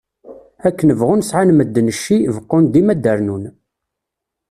Akken bɣun sεan medden cci, beɣɣun dima ad d-rnun.